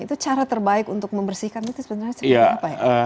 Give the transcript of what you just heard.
itu cara terbaik untuk membersihkan itu sebenarnya seperti apa ya